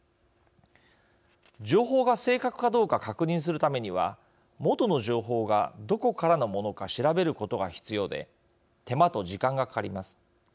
情報が正確かどうか確認するためには元の情報がどこからのものか調べることが必要で手間と時間がかかります。